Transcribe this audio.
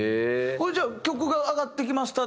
ほいじゃ曲が上がってきました。